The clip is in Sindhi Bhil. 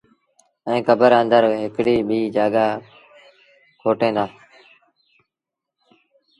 ائيٚݩ ڪبر آݩدر هڪڙيٚ ٻيٚ جآڳآ کوٽين دآ